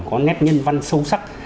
có nét nhân văn sâu sắc